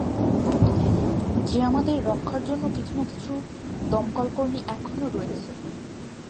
যে আমাদের রক্ষার জন্য কিছু না কিছু দমকলকর্মী এখনো রয়েছে।